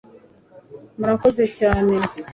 Murakoze cyane